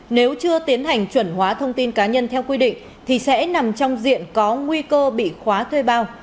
nếu chưa tiến hành chuẩn hóa thông tin cá nhân theo quy định thì sẽ nằm trong diện có nguy cơ bị khóa thuê bao